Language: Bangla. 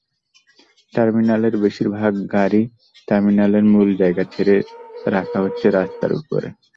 টার্মিনালের বেশির ভাগ গাড়ি টার্মিনালের মূল জায়গা ছেড়ে রাখা হচ্ছে রাস্তার ওপরে।